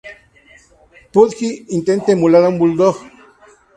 Pudgy intenta emular a un bulldog.